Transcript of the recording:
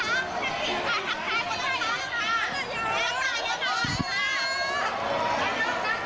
อันนี้เร็วละแต่ว่ามันต้องขอให้จะสร้างชะดวก